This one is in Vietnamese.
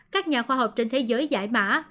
các nhà khoa học trên thế giới giải mã